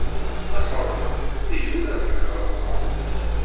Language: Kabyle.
Ma tɣelḍem, ihi ula d nekk ɣelḍeɣ.